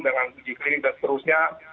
dengan uji klinik dan seterusnya